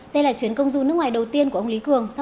đây là chuyến công du nước ngoài đầu tiên của ông lý cường